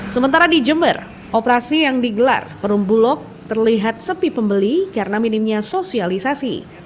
sementara di jember operasi yang digelar perumbulok terlihat sepi pembeli karena minimnya sosialisasi